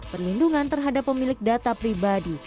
perlindungan terhadap pemilik data pribadi